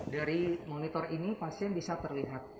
dari monitor ini pasien bisa terlihat